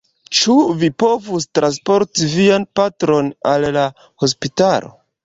Ĉu vi povus transporti vian patron al la hospitalo?